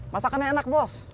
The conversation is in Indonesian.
masakannya enak bos